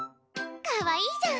かわいいじゃん。